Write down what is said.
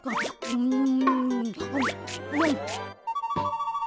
うん？